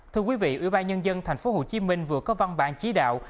thưa quý vị ủy ban nhân dân tp hcm vừa có văn bản chỉ đạo